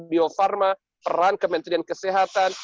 bio farma peran kementerian kesehatan